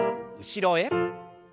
後ろへ。